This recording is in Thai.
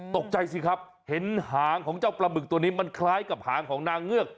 ตกใจสิครับเห็นหางของเจ้าปลาบึกตัวนี้มันคล้ายกับหางของนางเงือก